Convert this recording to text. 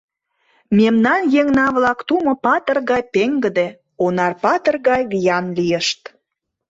Мемнан еҥна-влак Тумо патыр гай пеҥгыде, Онар патыр гай виян лийышт.